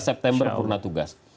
tujuh belas september purna tugas